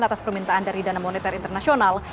atas permintaan dari dana moneter internasional